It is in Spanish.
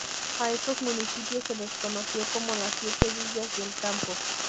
A estos municipios se les conoció como las Siete Villas del Campo.